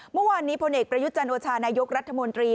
เมื่อวานนี้พลเอกประยุจันโอชานายกรัฐมนตรี